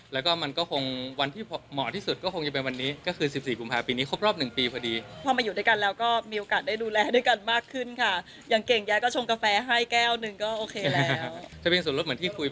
แล้วก็มันก็คงวันที่เหมาะที่สุดก็คงจะเป็นวันนี้